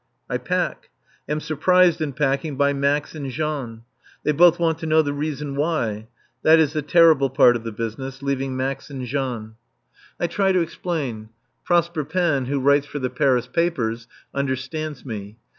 I pack. Am surprised in packing by Max and Jean. They both want to know the reason why. This is the terrible part of the business leaving Max and Jean. I try to explain. Prosper Panne, who "writes for the Paris papers," understands me.